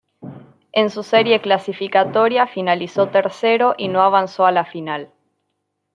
En su serie clasificatoria finalizó tercero, y no avanzó a la final.